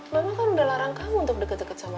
bapak kan udah larang kamu untuk deket deket sama